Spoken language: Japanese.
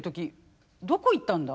どこ行ったんだ？